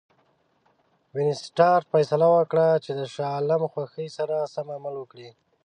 وینسیټارټ فیصله وکړه چې د شاه عالم خوښي سره سم عمل وکړي.